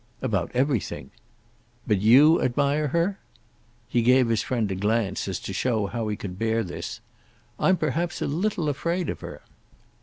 "About everything." "But you admire her?" He gave his friend a glance as to show how he could bear this "I'm perhaps a little afraid of her."